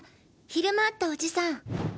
昼間会ったおじさん。